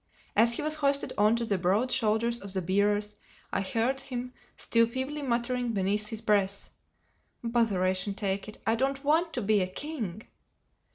As he was hoisted on to the broad shoulders of the bearers I heard him still feebly muttering beneath his breath, "Botheration take it!—I don't want to be a king!"